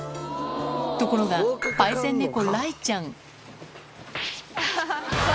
ところが、パイセン猫雷ちゃん。